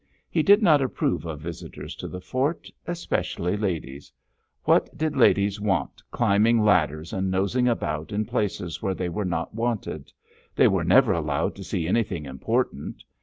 He did not approve of visitors to the fort, especially ladies. What did ladies want climbing ladders and nosing about in places where they were not wanted; they were never allowed to see anything important.